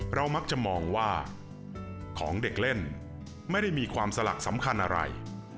มักจะมองว่าของเด็กเล่นไม่ได้มีความสลักสำคัญอะไร